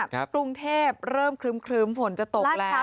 กรุงเทพเริ่มครึ้มฝนจะตกแล้ว